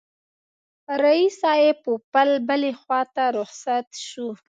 رییس صاحب پوپل بلي خواته رخصت شو.